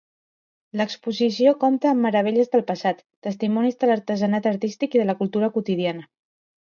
L'exposició compta amb meravelles del passat, testimonis de l'artesanat artístic i de la cultura quotidiana.